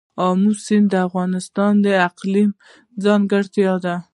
آمو سیند د افغانستان د اقلیم ځانګړتیا ده.